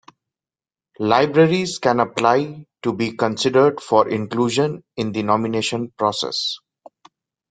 Libraries can apply to be considered for inclusion in the nomination process.